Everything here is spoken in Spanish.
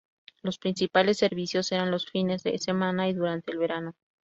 Los principales servicios eran los fines de semana y durante el verano.